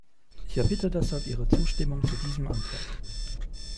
Ich erbitte deshalb Ihre Zustimmung zu diesem Antrag.